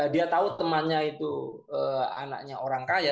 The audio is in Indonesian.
dia tahu temannya itu anaknya orang kaya